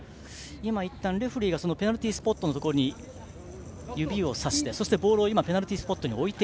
いったんレフェリーがペナルティースポットを指してそして、ボールをペナルティースポットに置いた。